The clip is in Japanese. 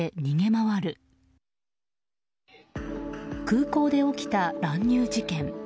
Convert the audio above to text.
空港で起きた乱入事件。